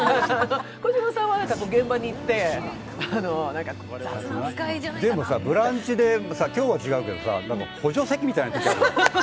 児嶋さんは現場に行って、雑な扱いじゃないけど「ブランチ」でもさ、今日は違うけど補助席みたいなことあるよ。